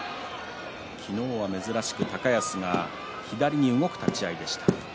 昨日は珍しく高安が左に動く立ち合いでした。